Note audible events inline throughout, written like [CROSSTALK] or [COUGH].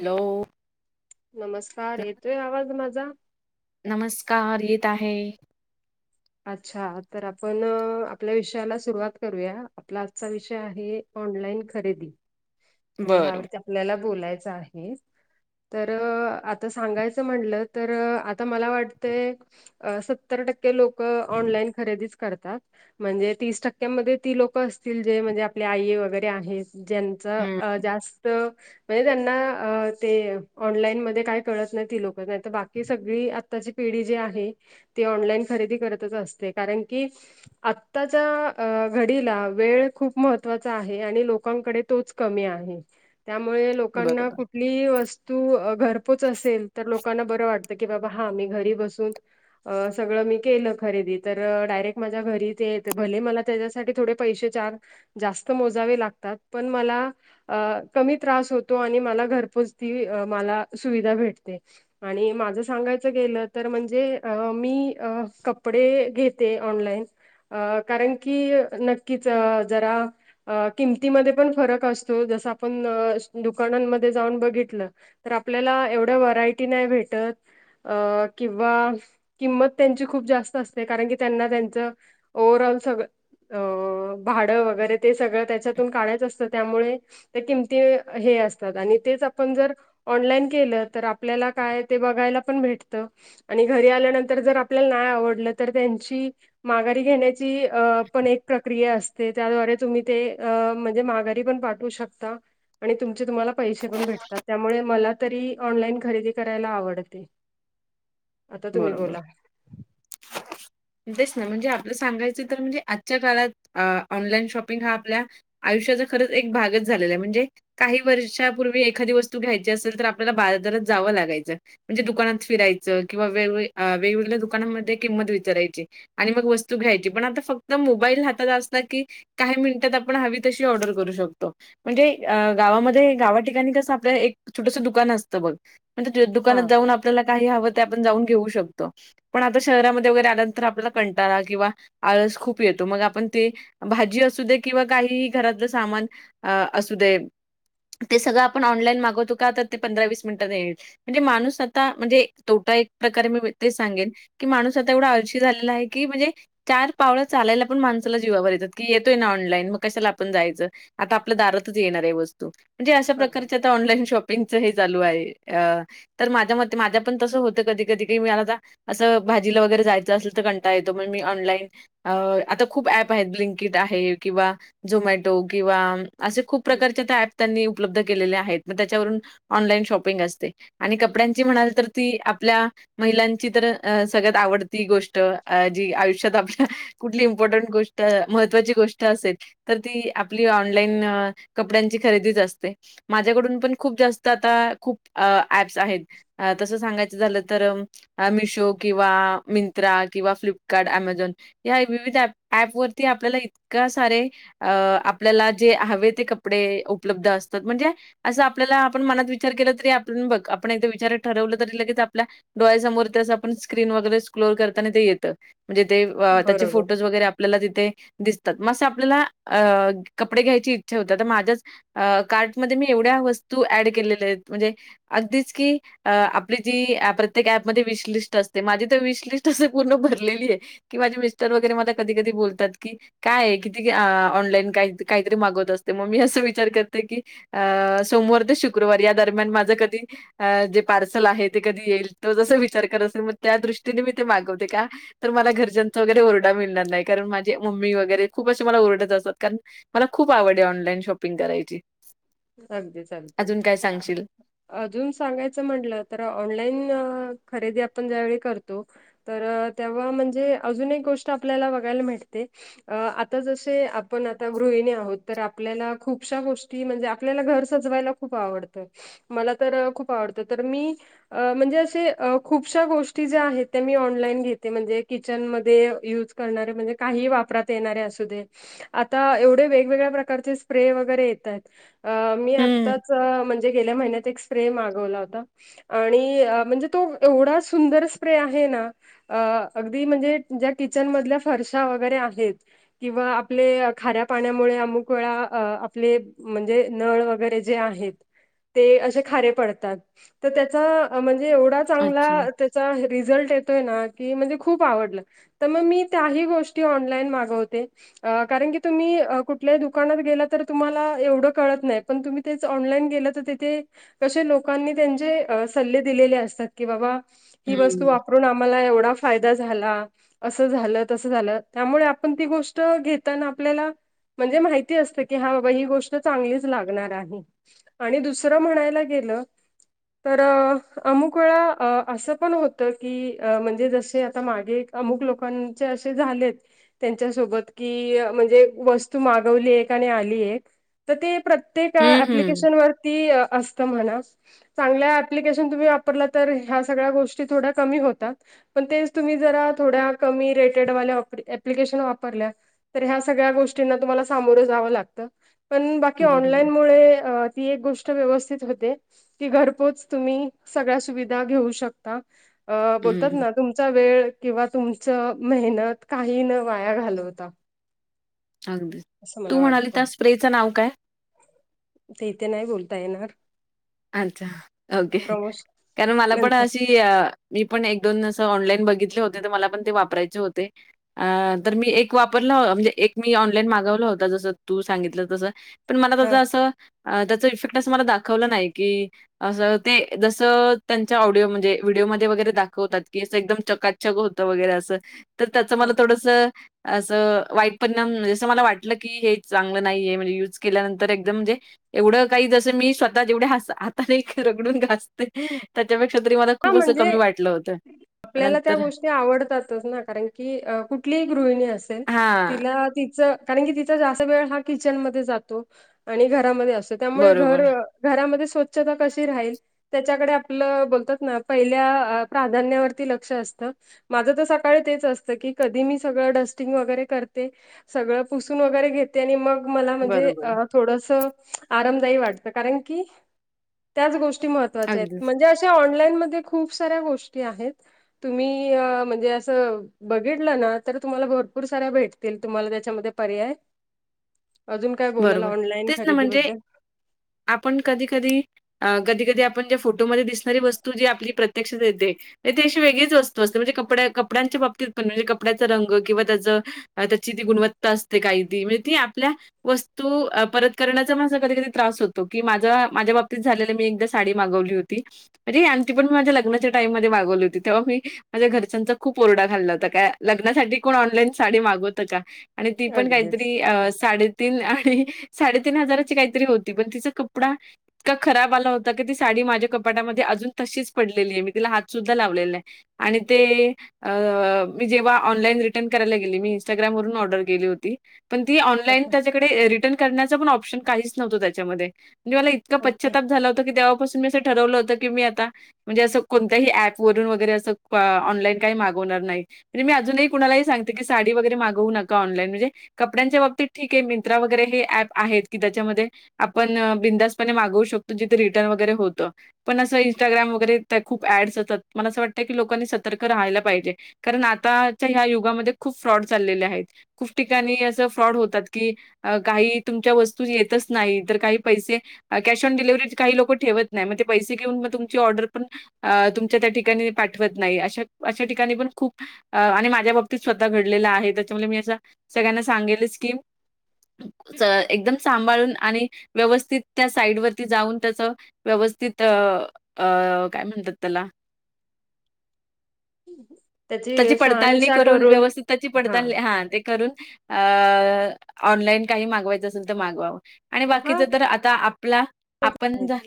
Hello. नमस्कार येतोय आवाज माझा. नमस्कार येत आहे. अच्छा तर आपण आपल्या विषयाला सुरुवात करूया आपला आजचा विषय आहे. ऑनलाईन खरेदी तर बरं ह्यावरती आपल्याला बोलायचं आहे. तर आता सांगायचं म्हटलं तर आता मला वाटतय असं सत्तर टक्के लोकं, ऑनलाईन खरेदी करतात. म्हणजे, तीस टक्क्यांमध्ये ती लोक असतील जे, म्हणजे आपली आई वगैरे आहेत ज्या हं अ जास्त म्हणजे त्यांना अ ते ऑनलाईन मध्ये काय कळत नाहीत ती लोकं, नाही तर बाकी सगळी आत आताची पिढी जी आहे. ती ऑनलाईन खरेदी करतच असते, कारण की आत्ताच्या घडीला वेळ खूप महत्त्वाचा आहे. आणि लोकांकडे तोच कमी आहे. त्यामुळे, लोकांना बरोबर कुठली ही वस तू घरपोच असेल, तर लोकांना बरं वाटतं, की बाबा हा मी घरी बसून अ सगळं मी केलं खरेदी, तर डायरेक्ट माझ्या घरी ते येत, भले मला त्याच्यासाठी थोडे पैशे चार जास्त मोजावे लागतात. पण मला, अ कमी त्रास होतो. आणि मला घरपोच ती मला सुविधा भेटते. आणि माझं सांगायचं गेलं, तर म्हणजे मी कपडे घेते ऑनलाइन. अ कारण की, नक्कीच जरा अ किमतीमध्ये पण फरक असतो. तो जस आपण दुकानांमध्ये जाऊन बघितलं. तर आपल्याला एवढ्या व्हरायटी नाही भेटत. अ किंवा किंमत त्यांची खूप जास्त असते. कारण की त्यांना त्यांचं ओव्हर ऑल सगळ, भाडं वगैरे ते सगळं त्याच्यातून काढायचं असतं. त्यामुळे तर किमती हे असतात. आणि तेच आपण जर ऑनलाईन केलं. तर आपल्याला काय ते बघायला पण भेटत. आणि घरी आल्यानंतर जर आपल्याला नाही आवडलं. तर, त्यांची माघारी घेण्या ती पण एक प्रक्रिया असते. त्याद्वारे तुम्ही ते अ म्हणजे माघारी पण पाठ करू शकता. आणि तुमचे तुम्हाला पैसे पण भेटतात. त्यामुळे मला तरी ऑनलाईन खरेदी करायला आवड आता तुम्ही बरोबर. बोला? तेच ना. म्हणजे आपलं सांगायचं तर, म्हणजे आजच्या काळात ऑनलाईन शॉपिंग हा आपल्या, आयुष्याचा खरंच एक भागच झालेला आहे म्हणजे, काही वर्षापूर्वी एखादी वस्तू घ्यायची असेल तर, आपल्याला बाजारात जावं लागायचं. म्हणजे दुकानात फिरायचं. किंवा वेग वेगवेगळ्या दुकानामध्ये किंमत विचारायच. आणि मग वस्तू घ्यायची. पण आता फक्त मोबाईल हातात असला की, काही मिनिटात आपण हवी तशी ऑर्डर करू शकतो. म्हणजे अ गावामध्ये गावा ठिकाणी कसं आपलं एक छोटस दुकान असतं बघ. म्हणजे हा. दुकानात जाऊन आपल्याला काही हवं ते आपण जाऊन घेऊ शकतो. पण आता शहरामध्ये वगैरे आला तर आपल्याला कंटाळा किंवा आळस खूप येतो. मग आपण ते भाजी असूदे. किंवा काहीही घरातलं सामान अ असू देत. ते सगळं आपण ऑनलाईन मागवतो. का तर ते पंधरा वीस मिनिटात येईल. म्हणजे माणूस आता म्हणजे तोटा एक प्रकारे मी तेच सांगेन. की माणूस आता एवढा आळशी झालेलं आहे की म्हणजे, - चार पावलं चालायला पण माणसाला जीवावर येतात. की येतोय ना ऑनलाईन मग कशाला आपण जायचं. आता आपल्या दारातच येणार आहे वस्तू. म्हणजे अशा अगदी प्रकारच्या आता ऑनलाईन शॉपिंगच हे चालू आहे. अ तर माझ्या मते माझ्या पण तसं होतं. कधी कधी की मला आता असं भाजीला वगैरे जायचं असल तर कंटाळा येतोय. म्हणून मी ऑनलाईन अ आता खूप ऍप आहे. ब्लिंकीट आहे किंवा झोमॅटो किंवा असे खूप प्रकारच्या त्या ऍप त्यांनी उपलब्ध केलेले आहेत. मग त्याच्यावरून ऑनलाईन शॉपिंग असते. आणि कपड्यांची म्हणाल, तर ती आपल्या महिलांची तर अ सगळ्यात आवडती गोष्ट. त आ जी आयुष्यात आपल्या कुठली इम्पॉर्टंट गोष्ट महत्त्वाची गोष्ट असेल त. तर ती आपली ऑनलाईन कपड्यांची खरेदीच असते. माझ्याकडून पण खूप जास्त आता खूप अ ऍप्स आहेत अ तसं सांगायचं झालं तर अ मिशो किंवा मिन त्रा किंवा फ्लिपकार्ट, अमेझॉन या विविध ऍप वरती आपल्याला इतका सारे अ आपल्याला जे हवे ते कपडे उपलब्ध असतात म्हणजे. असं आपल्याला आपण मनात विचार केला तरी आपन बघ आपण एकदा विचार ठरवलं तरी लगेच आपल्या डोळ्या समोर तस आपण स्क्रीन वगैरे. क्लोर करताना ते येत म्हणजे ते वा त्याचे बरोबर फोटोज वगैरे आपल्याला तिथे. दिसतात मस आपल्याला अ कपडे घ्यायची इच्छा होती आता माझ्याच अ कार्टमध्ये मी एवढ्या वस्तू ऍड केलेल्या आहेत म्हणजे. अगदीच की अ-आपली जी प्रत्येक ऍपमध्ये विश लिस्ट असते माझी त विश लिस्ट असं पूर्ण भरलेली हे की माझे मिस्टर वगैरे मला कधी कधी बोलतात की. काय आहे किती आ ऑनलाईन काही काहीतरी मागवत असते मग मी असं विचार करते की. अ सोमवार ते शुक्रवार या दरम्यान माझं कधी अ जे पार्सल आहे ते कधी येईल तो जस विचार करत मग त्या दृष्टीने मी ते मागवते का? तर मला घरच्यांचा वगैरे ओरडा मिळणार नाही कारण माझे मम्मी वगैरे खूप असे मला ओरडत असतात कारण. मला खूप आवड आहे ऑनलाईन शॉपिंग करायची. चालते चालते अजून काय आ. सांगशील? अजून सांगायचं म्हटलं तर ऑनलाईन खरेदी आपण ज्यावेेळी करतो. तर तेव्हा म्हणजे अजून एक गोष्ट आपल्याला बघायला भेटते. अ आता जसे आपण आता गृहिणी आहोत तर आपल्याला खूपशा गोष्टी म्हणजे. आपल्याला घर सजवायला खूप आवडतं मला तर खूप आवडतं तर मी अ म्हणजे असे खूपश्या गोष्टी ज्या आहेत त्या मी ऑनलाईन घेते म्हणजे किचनमध्ये यूज करणारे म्हणजे काही वापरात येणारे असू दे. आता एवढे वेगवेगळ्या प्रकारचे स्प्रे वगैरे येतायेत. अ मी हं. आत्ताच म्हणजे गेल्या महिन्यात एक स्प्रे मागवला होता आणि म्हणजे तो एवढा सुंदर स्प्रे आहे ना. अ अगदी म्हणजे ज्या किचन मधल्या फरशा वगैरे आहेत. किंवा आपले खाऱ्या पाण्यामुळे अमुक वेळा अ आपले म्हन जे नळ वगैरे जे आहेत. ते अशे खारे पडतात त त्याचा म्हणजे एवढा चांगला अच्छा. ते चा रिझल्ट येतोय ना की म्हणजे खूप आवडला. त म मी त्यांही गोष्टी ऑनलाईन मागवते. अ कारण की तुम्ही अ कुठल्याही दुकानात गेल्या तर तुम्हाला एवढं. कळत नाही पण तुम्ही तेच ऑनलाईन गेलं त तीथे कशे लोकांनी त्यांचे अ सल्ले दिलेले असतात की बाबा ही वस्तू हं. वाप- रून आम्हाला एवढा फायदा झाला. असं झालं, तस झालं त्यामुळे आपण ती गोष्ट घेताना आपल्याला म्हणजे माहिती असतं की हा बाबा ही गो ष्ट चांगलीच लागणार आहे आणि दुसरं म्हणायला गेलं. तर अमुक वेळा अ असं पण होतं की म्हणजे जसे आता मागे एक अमुक लोकांचे असे झालेत. त्यांच्यासोबत की म्हणजे वस्तू मागवली एक, आणि आली एक. त ते प्रत्येक हं, हं. ऍप्लिकेशन असतं म्हणा. चांगल्या ऍप्लिकेशन तुम्ही वापरला तर ह्या सगळ्या गोष्टी थोड्या कमी होतात. पण तेच तुम्ही जरा थोड्या कमी रेटेड वाल्या ऍप्लिकेशन वापरल्या तर ह्या सगळ्या गोष्टींना तुम्हाला सामोरं जावंव लागतं. पण बाकी बरोबर. ऑनलाईन मुळ ती एक गोष्ट व्यवस्थित होते. की घरपोच तुम्ही सगळ्या सुविधा घेऊ शकता. अ बोलतात हं, ना तुमचा वेळ किंवा तुमचं मेहनत काही न वाया घालवता अगदी असं तू मला वाटतं म्हणालतास स्प्रेचं नाव काय ते इथे नाही बोलता येणार. अच्छा ओके प्रमोश कारण मला पण नंतर अशी मी पण एक दोन अस ऑनलाईन बघितले होते तर मला पण ते वापरायचे होते. अ तर मी एक वापरला म्हणजे एक मी ऑनलाईन मागवला होता जस तू सांगितलं तस पण मला त्याच हा असं त्याच इफेक्ट अस मला दाखवलं नाही की असं ते जसं त्यांच्या ऑडिओ म्हणजे व्हिडिओमध्येध्ये वगैरे दाखवतात की असं एकदम चकात त [UNINTELLIGIBLE] वगैरे असं तर त्याच मला थोडस असं वाईट परिणाम म्हे जसं मला वाटलं की हे चांगलं नाही आहे म्हणजे युज केल्यानंतर एकदम म्हणजे एवढं काही जसं मी स्वतः जेवढे ह [UNINTELLIGIBLE] आात नाही रगडून घासते त्याच्यापेक्षा तरी मला हा खूप असं कमी म्हणजे वाटलं होतं. आपल्याला त्या नंतर गोष्टी आवडतातच ना कारण की कुठलीही गृहिणी असेल हां. तिला तिचं कारण की तिचा जास्त वेळ हा किचनमध्येध्ये जातो आणि घरामध्ये असतो त्यामुळे घर बरोबर, घरामध्ये स्वच्छता कशी राहील त्याच्याकडे आपलं बोलतात ना पहिल्या प्राधान्यावरती लक्ष असत. माझ तर सकाळी तेच असतं की कधी मी सगळं डस्टिंग वगैरे करते. सगळं पुसून वगैरे घेते आणि मग मला म्हणजे अ बरोबर. थोडस आरामदायी वाटतं कारण की त्याच गोष्टी महत्त्वाच्या आहेत अगदीच. म्हणजे अ [UNINTELLIGIBLE] ऑनलाईन म खूप साऱ्या गोष्टी आहेत तुम्ही म्हणजे असं बघितलं ना तर तुम्हाला भरपूर साऱ्या भेटतील तुम्हाला त्याच्यामध्ये पर्याय अजून काय बोलला बरोबर. ऑनलाईन तेच ना खरेदी म्हणजे बद्दल. आपण कधी कधी कधी कधी आपण ज्या फोटोमध्ये दिसणारी वस्तू जी आपली प्रत प्रत्यक्षात येते ते अशी वेगळीच वस्तू असते म्हणजे कपड्या कपड्यांच्या बाबतीत पण म्हणजे कपड्याचा रंग किंवा त्याचं त्याची ती गुणवत्ता असते काही ती म्हणजे ती आपल्या वस्तू परत करण्याचा असा कधी कधी त्रास होतो की माझा माझ्या बाबतीत झालेलं मी एकदा साडी मागवली होती. म्हणे आणी पण मी माझ ल्च्यााइम मध्ये मागवली होती. तेव्हा मी माझ्या घरच्यांचा खूप रडा खाल्ला होता. काय लग्नासाठी कोण ऑनलाईन साडी मागवत का आणि ती पण अगदीच काहीतरी साडी तीन आणि साडेतीीन हजाराची काहीतरी होती पण तिचा कपडा इतका खराब आला होता की ती साडी माझ्या कपाटामध्ये अजून तशीच पडलेली आहे. मी तिला हात सुद्धा लावलेला नाही. आणि ते मी जेव्हा ऑनलाईन रिटर्न करायला गेली मी इंस्टाग्रामवरून ऑर्डर केली होती. पण ती ऑनलाईन अच्छा त्याच्याकडे रिटर्न करण्याचचा पण ऑप्शन काहीच नव्हत त्याच्यामध्ये. म्हणजे मला इतका ओके. पश्चछताप झाला होता की तेवपासून मी असं ठरवलं होतं की मी आता म्हणजे असं कोणत्याही ऍप वरून वगैरे असं ऑनलाईन काही मागवणार नाही. म्हणज मी अजूनही कुणालाही सांगते की साडी वगैरे मागवू नका ऑनलाईन. म्हणजे कपड्यांच्या बाबतीत ठीक आहे मिंत्रा वगैरे हे ऍप आहेत की त्याच्यामध्ये आपण बिनधास्तपणे मागवू शकतो जिथे रिटर्न वगैरे होतं पण असं इंस्टाग्राम वगैरे त्या खूप ऍड्स येतात मला असं वाटतय की लोकांनी सतर्क राहायला पाहिजे कारण आताच्या ह्या युगामध्ये खूप फ्रॉड चाललेले आहेत खूप ठिकाणी असं फ्रॉड होतात कि काही तुमच्या वस्तू येतच नाही तर काही पैसे कॅश ऑन डिलिव्हरी काही लोक ठेवत नाही मग ते पैसे घेऊन मग तुमची ऑर्डर पण अ तुमच्या त्या ठिकाणी पाठवत नाही अश्या अश्या ठिकाणी पण खूप अ आणि माझ्या बाबतीत स्वतः घडलेला आहे त्याच्यामुळे मी असं सगळ्यांना सांगेलच की च एकदम सांभाळून आणि व्यवस्थित त्या साईड वरती जाऊन त्याच व्यवस्थित अ, अ काय म्हणतात त्याला [INAUDIBLE] त्याची पडताळणी करून व्यवस्थित त्याची पडताळणी हा करून अ ऑनलाईन काही मागवायच असेल तर मागवावं आणि बाकीच हा तर आता आपला तेच आपण आहेत. झा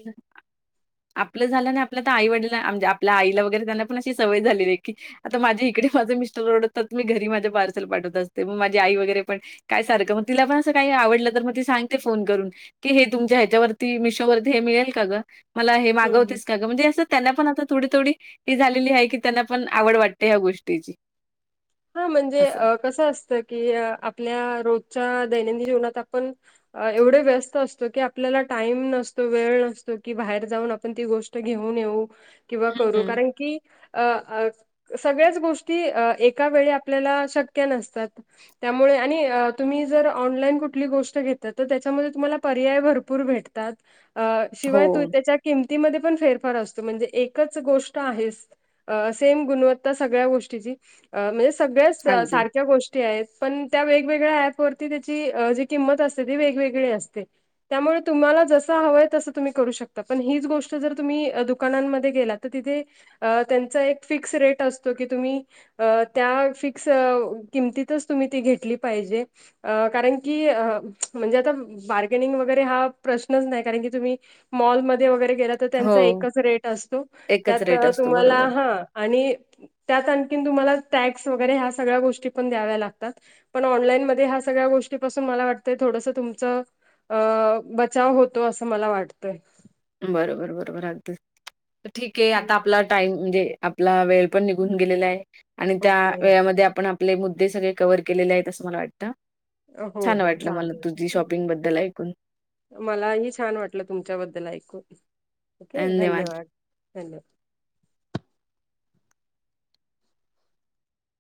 आपलं झालं ना आपल्या तर आई वडला म्हणजे आपल्या आईला वगैरे त्यांना पण अशी सवय झाली आहे की आता माझ्या इकडे माझं मिस्टर ओरडतात तर मी घरी माझं पार्सल पाठवत असते मग माझी आई वगैरे पण काय सारखं मग तिला पण असं काही आवडलं तर मग ती सांगते फोन करून की हे तुमच्या ह्याच्यावरती मिशोवरती हे मिळेल का ग मला हे हं. मागवतेस का ग म्हणजे असं त्यांना पण आता थोडी थोडी ही झालेली आहे की त्यांना पण आवड वाटते ह्या गोष्टीची हा म्हणजे असं. अ कसं असतं की आपल्या रोजच्या दैनंदिन जीवनात आपण एवढे व्यस्त असतो की आपल्याला टाईम नसतो वेळ नसतो की बाहेर जाऊन आपण ती गोष्ट ते घेऊन येऊ किंवा करू हं. कारण की अ अ सगळ्याच गोष्टी अ एक एका वेळी आपल्याला शक्य नसतात त्यामुळे आणि तुम्ही जर ऑनलाईन कुठली गोष्ट घेत तर त्याच्यामध्ये तुम्हाला पर्याय भरपूर भेट हो, शिवाय तू त्याच्या किमतीमध्ये पण फेरफार असतो म्हणजे एकच गोष्ट आहेच अ सेम गुणवत्ता सगळ्या गोष्टीची म्हणजे सगळ्याच अगदी. सारख्या गोष्टी पण त्या वेगवेगळ्या ऍप वरती त्याची जे किंमत असते ती वेगवेगळी असते त्यामुळे तुम्हाला जसं हवंय तसं तुम्ही करू शकता पण हीच गोष्ट जर तुम्ही दुकानांमध्ये गेलात तर तिथे त्यांचा एक फिक्स रेट असतो की तुम्ही अ त्या फिक्स किमतीतच तुम्ही ती घेतली पाहिजे अ कारण की अ म्हणजे आता बार्गेनिंग वगैरे हा प्रश्नच नाही कारण की तुम्ही मॉलमध्ये वगैरे गेला तर हो, त्यांचा एकच रेट असतो एकच त्यात रेट असतो. तुम्हाला बरोबर. हा आणि त्यात आणखीन तुम्हाला टॅक्स वगैरे हा सगळ्या गोष्टी पण द्याव्या लागतात पण ऑनलाईन मध्ये ह्या सगळ्या गोष्टी पासून मला वाटतंय थोडस तुमचं अ बचाव होतो असं मला वाटतंय बरोबर बरोबर अ ठीक आहे आता आपला टाईम म्हणजे आपला वेळ पण निघून गेलेला आहे आणि त्या ओके वेळेमध्ये आपण आपले मुद्दे सगळे कवर केलेले आहेत असं मला वाटतं हो छान हो वाटलं मला चालेल. तुझी शॉपिंग बद्दल ऐकून मलाही छान वाटलं तुमच्याबद्दल ऐकून ओके धन्यवाद धन्यवाद